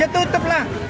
ya tutup lah